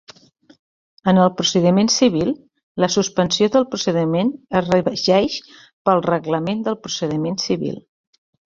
En el procediment civil, la suspensió del procediment es regeix pel Reglament de procediment civil.